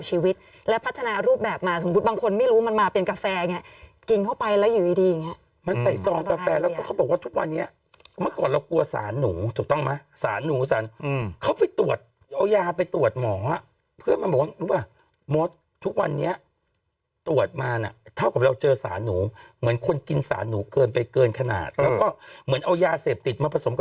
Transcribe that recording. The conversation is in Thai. ชีวิตและพัฒนารูปแบบมาสมมุติบางคนไม่รู้มันมาเป็นกาแฟไงกินเข้าไปแล้วอยู่ดีดีอย่างเงี้ยมันใส่ซองกาแฟแล้วก็เขาบอกว่าทุกวันนี้เมื่อก่อนเรากลัวสารหนูถูกต้องไหมสารหนูสารอืมเขาไปตรวจเอายาไปตรวจหมอเพื่อนมันบอกว่ารู้ป่ะมดทุกวันนี้ตรวจมาน่ะเท่ากับเราเจอสารหนูเหมือนคนกินสารหนูเกินไปเกินขนาดแล้วก็เหมือนเอายาเสพติดมาผสมกับ